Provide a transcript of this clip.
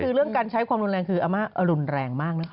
คือเรื่องการใช้ความรุนแรงคืออาม่าอรุนแรงมากนะคะ